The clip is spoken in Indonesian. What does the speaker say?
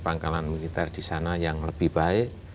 pangkalan militer di sana yang lebih baik